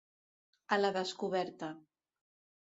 A la descoberta.